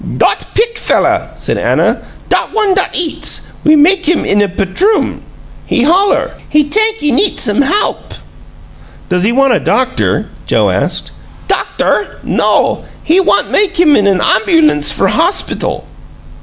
"Dot pick fella," said Anna, "dot one dot eats we make him in a petroom. He holler! He tank he neet some halp." "Does he want a doctor?" Joe asked. "Doctor? No! He want make him in a amyoulance for hospital!"